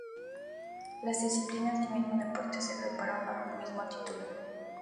Las disciplinas del mismo deporte se agrupan bajo el mismo título.